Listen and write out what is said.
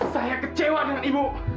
saya kecewa dengan ibu